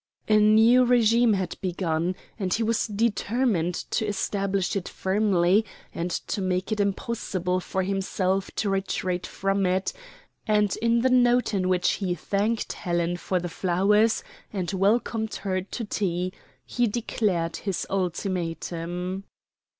A new regime had begun, and he was determined to establish it firmly and to make it impossible for himself to retreat from it; and in the note in which he thanked Helen for the flowers and welcomed her to tea, he declared his ultimatum.